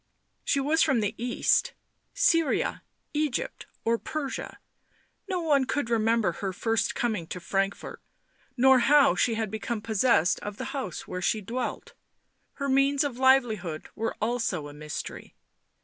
She was from the East — Syria, Egypt or Persia; no one could remember her first coming to Frankfort, nor how she had become possessed of the house where she dwelt; her means of livelihood were also a mystery.